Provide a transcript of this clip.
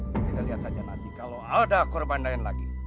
kita lihat saja nanti kalau ada korban lain lagi